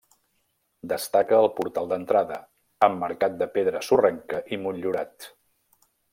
Destaca el portal d'entrada, emmarcat de pedra sorrenca i motllurat.